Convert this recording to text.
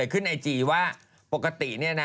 ขึ้นไอจีว่าปกติเนี่ยนะ